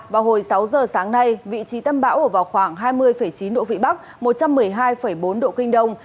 vào hồi sáu giờ sáng nay vị trí tâm bão ở vào khoảng hai mươi chín độ vĩ bắc một trăm một mươi hai bốn độ kinh đông